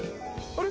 あれ？